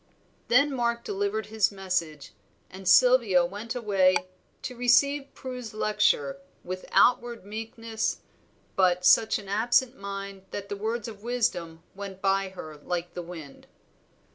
Then Mark delivered his message, and Sylvia went away to receive Prue's lecture, with outward meekness, but such an absent mind that the words of wisdom went by her like the wind.